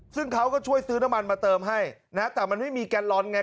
ซึ่งเขาก็ช่วยซื้อน้ำมันมาเติมให้นะแต่มันไม่มีแกนลอนไง